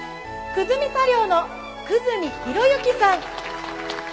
久住茶寮の久住博之さん。